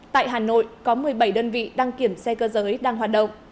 tại hà nội có một mươi bảy đơn vị đăng kiểm xe cơ giới đang hoạt động